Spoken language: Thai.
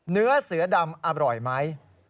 เนื้อเสือดำอร่อยไหม